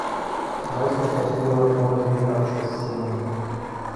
Бацька паспеў адно развітацца з сынам.